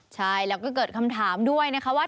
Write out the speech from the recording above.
ใช่แล้วก็เกิดคำถามด้วยนะคะว่า